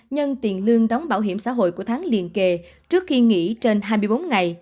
bảy mươi năm nhân tiền lương đóng bảo hiểm xã hội của tháng liên kỳ trước khi nghỉ trên hai mươi bốn ngày